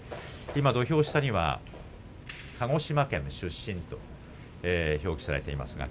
土俵下には鹿児島県出身と表記されています。